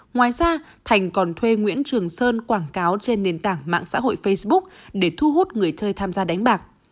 ngoài ra thành còn thuê nguyễn trường sơn quảng cáo trên nền tảng mạng xã hội facebook để thu hút người chơi tham gia đánh bạc